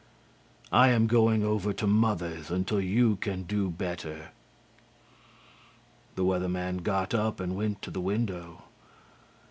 I am going over to mother's until you can do better.'" The Weather Man got up and went to the window.